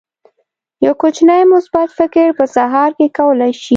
یو کوچنی مثبت فکر په سهار کې کولی شي.